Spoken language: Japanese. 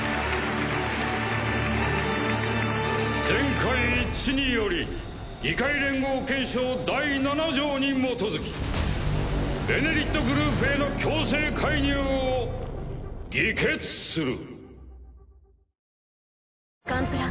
全会一致により議会連合憲章第７条に基づき「ベネリット」グループへの強制介入を議決する。